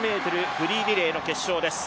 フリーリレーの決勝です。